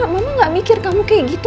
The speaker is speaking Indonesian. mama gak mikir kamu kayak gitu